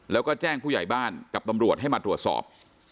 แล้วก็แจ้งผู้ใหญ่บ้านกับตำรวจให้มาตรวจสอบ